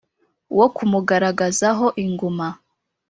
Wo kumugaragaza ho inguma